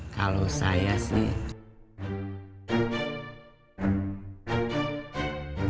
kalau saya sih